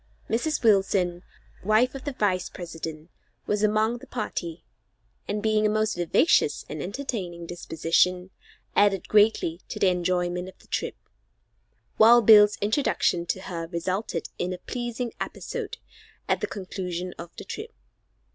Mrs. Wilson, wife of the Vice President, was among the party, and being of a most vivacious and entertaining disposition, added greatly to the enjoyment of the trip. Wild Bill's introduction to her resulted in a pleasing episode at the conclusion of the trip.